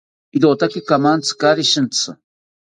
Iroka kamantzi kaari shintzi